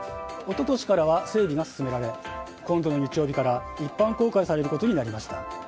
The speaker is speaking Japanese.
一昨年からは整備が進められ今度の日曜日から一般公開されることになりました。